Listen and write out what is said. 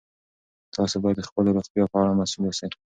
تاسي باید د خپلې روغتیا په اړه مسؤل اوسئ.